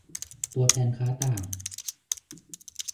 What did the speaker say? ตัวแทนค้าต่าง